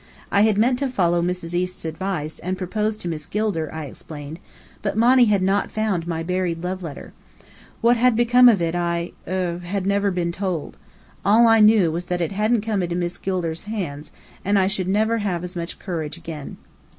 I had meant to follow Mrs. East's advice and propose to Miss Gilder, I explained, but Monny had not found my buried love letter. What had become of it I er had never been told. All I knew was that it hadn't come into Miss Gilder's hands; and I should never have as much courage again.